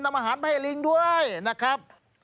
นำอาหารไปให้ลิงด้วยนะครับ